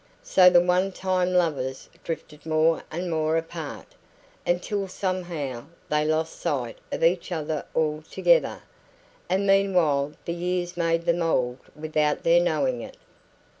So the one time lovers drifted more and more apart, until somehow they lost sight of each other altogether; and meanwhile the years made them old without their knowing it.